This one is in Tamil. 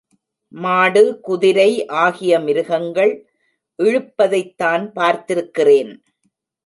மாடு, குதிரை ஆகிய மிருகங்கள் இழுப்பதைத்தான் பார்த்திருக்கிறேன்.